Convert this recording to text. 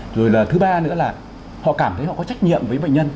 rồi là thứ ba nữa là họ cảm thấy họ có trách nhiệm với bệnh nhân